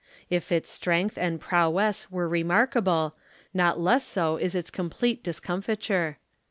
If its strength and prowess were remarkable, not less so is its complete discomfiture.